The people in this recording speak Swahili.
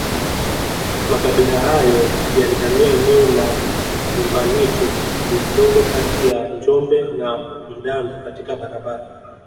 Makabila hayo yalihamia eneo la Nyumbanitu lililoko kati ya Njombe na Mdandu katika barabara